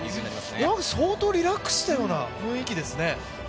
相当リラックスしたような雰囲気ですね？